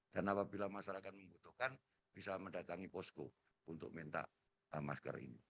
dan apabila masyarakat membutuhkan bisa mendatangi posko untuk minta masker ini